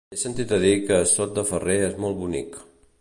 He sentit a dir que Sot de Ferrer és molt bonic.